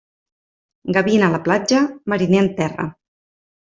Gavina a la platja, mariner en terra.